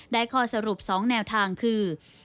ข้อสรุป๒แนวทางคือ